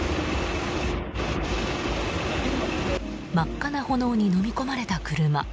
真っ赤な炎に、のみ込まれた車。